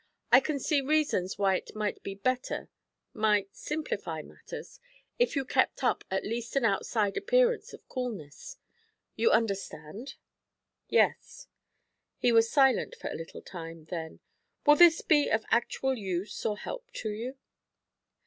I can see reasons why it might be better might simplify matters if you kept up at least an outside appearance of coolness. You understand?' 'Yes.' He was silent for a little time, then: 'Will this be of actual use or help to you?'